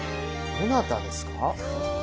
どなたですか？